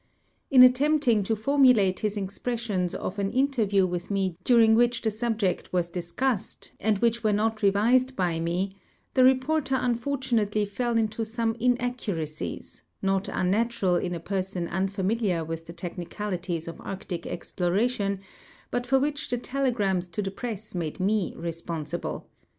In attempting to formulate his impressions of an inter view with me during which the subject was discussed, and wbicli were not revised li}'' me, the reporter unfortunately fell into some inaccuracies, not unnatural inajierson unfamiliar with the tech nicalities of arctic exploration, but for which the telegrams to the press made me responsible.